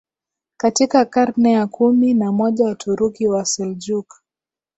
Katika karne ya kumi na moja Waturuki wa Seljuk